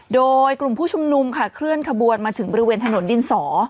โดยกลุ่มผู้ชุมนุมค่ะเคลื่อนขบวนมาถึงบริเวณถนนดินสอ